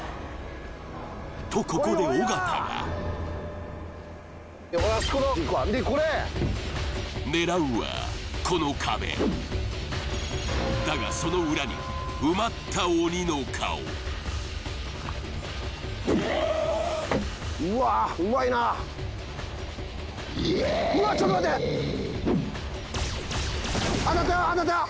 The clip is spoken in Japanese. とここで尾形が狙うはこの壁だがその裏に埋まった鬼の顔うわあっうまいなうわっちょっと待って当たったよ当たったよ